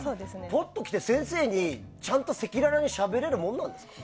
ポッと来た先生にちゃんと赤裸々にしゃべれるものなんですか？